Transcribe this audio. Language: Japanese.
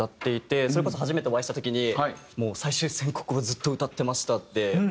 それこそ初めてお会いした時に『最終宣告』をずっと歌ってましたってお話ししたんですけど。